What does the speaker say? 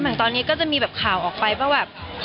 เหมือนตอนนี้ก็จะมีแบบข่าวออกไปว่าแบบ